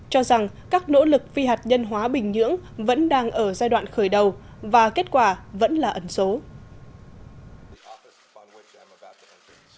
cho rằng các nỗ lực phi hạt nhân hóa bình nhưỡng vẫn đang ở giai đoạn khởi đầu và kết quả vẫn là ẩn số